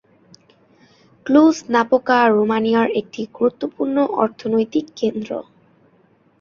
Cluj-Napoca রোমানিয়ার একটি গুরুত্বপূর্ণ অর্থনৈতিক কেন্দ্র।